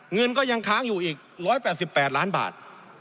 เงินก็ยังค้างอยู่อีก๑๘๘ล้านบาท